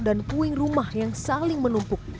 dan puing rumah yang saling menumpuk